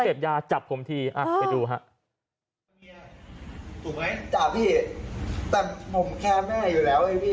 ผมเก็บยาจับผมทีไปดูครับ